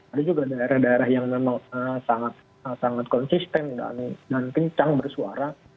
ada juga daerah daerah yang memang sangat konsisten dan kencang bersuara